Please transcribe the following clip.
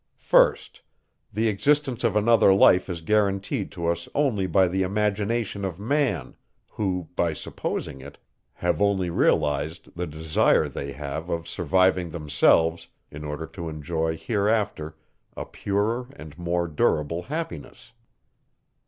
1st. The existence of another life is guaranteed to us only by the imagination of man, who, by supposing it, have only realized the desire they have of surviving themselves, in order to enjoy hereafter a purer and more durable happiness.